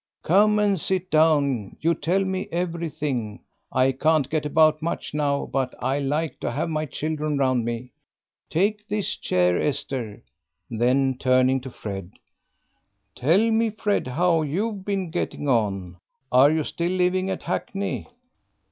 "Come and sit down; you'll tell me everything. I can't get about much now, but I like to have my children round me. Take this chair, Esther." Then turning to Fred, "Tell me, Fred, how you've been getting on. Are you still living at Hackney?"